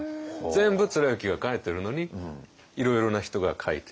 全部貫之が書いてるのにいろいろな人が書いている。